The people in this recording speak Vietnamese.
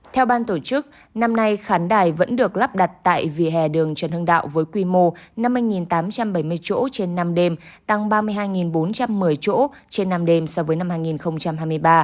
theo ban tổ chức năm nay khán đài vẫn được lắp đặt tại vỉa hè đường trần hưng đạo với quy mô năm mươi tám trăm bảy mươi chỗ trên năm đêm tăng ba mươi hai bốn trăm một mươi chỗ trên năm đêm so với năm hai nghìn hai mươi ba